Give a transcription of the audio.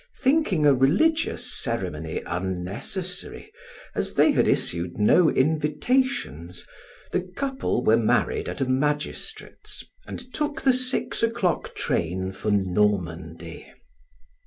Thinking a religious ceremony unnecessary, as they had issued no invitations, the couple were married at a magistrate's and took the six o'clock train for Normandy.